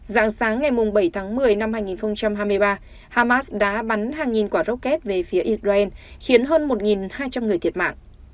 dạng sáng ngày bảy tháng một mươi năm hai nghìn hai mươi ba hamas đã bắn hàng nghìn quả rocket về phía israel khiến hơn một hai trăm linh người thiệt mạng